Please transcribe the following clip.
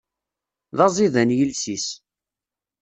D aẓidan yiles-is.